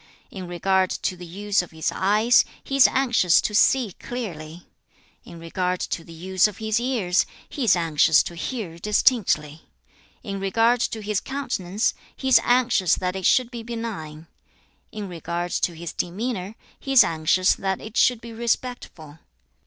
In regard to the use of his eyes, he is anxious to see clearly. In regard to the use of his ears, he is anxious to hear distinctly. In regard to his countenance, he is anxious that it should be benign. In regard to his demeanor, he is anxious that it should be respectful.